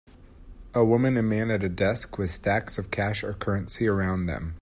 a woman and man at a desk with stacks of cash or currency around them.